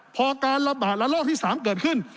พอการระบาดระลอกที่๓เกิดขึ้น